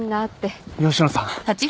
吉野さん。